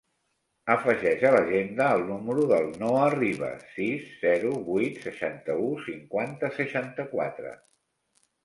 Afegeix a l'agenda el número del Noah Rivas: sis, zero, vuit, seixanta-u, cinquanta, seixanta-quatre.